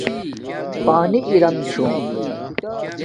پانی ارام چھوم